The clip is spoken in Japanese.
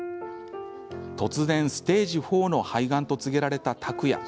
突然ステージ４の肺がんと告げられた拓哉。